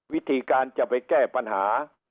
วิธีการจะไปแก้ปัญหา